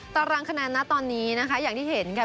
ตารางคะแนนนะตอนนี้นะคะอย่างที่เห็นค่ะ